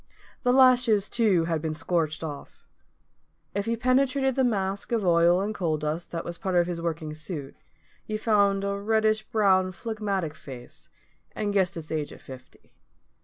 The lashes, too, had been scorched off. If you penetrated the mask of oil and coal dust that was part of his working suit, you found a reddish brown phlegmatic face, and guessed its age at fifty.